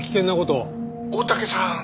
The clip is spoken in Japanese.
「大竹さん